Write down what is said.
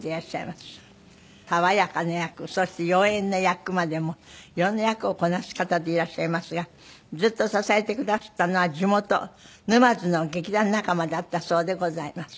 爽やかな役そして妖艶な役までも色んな役をこなす方でいらっしゃいますがずっと支えてくだすったのは地元沼津の劇団仲間だったそうでございます。